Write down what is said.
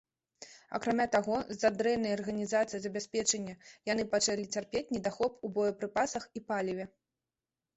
Акрамя таго, з-за дрэннай арганізацыі забеспячэння яны пачалі цярпець недахоп у боепрыпасах і паліве.